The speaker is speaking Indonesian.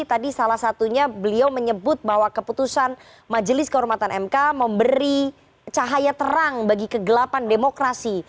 tadi salah satunya beliau menyebut bahwa keputusan majelis kehormatan mk memberi cahaya terang bagi kegelapan demokrasi